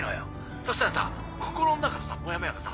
そしたらさ心の中のさもやもやがさ